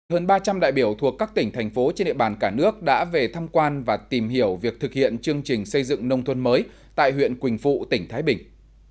hơn ba trăm linh đại biểu thuộc các tỉnh thành phố trên địa bàn cả nước đã về thăm quan và tìm hiểu việc thực hiện chương trình xây dựng nông thôn mới tại huyện quỳnh phụ tỉnh thái bình